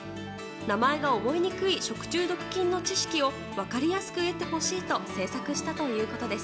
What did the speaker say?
名前が覚えにくい食中毒菌の知識を分かりやすく得てほしいと制作したということです。